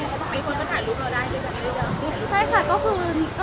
เรียนไปมีที่ต้องการ